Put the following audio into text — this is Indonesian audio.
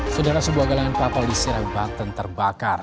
saudara sebuah galangan kapal di serang banten terbakar